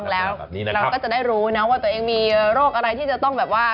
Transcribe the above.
เราก็จะได้รู้นะว่าตัวเองมีโรคอะไรที่จะต้องแบบว่า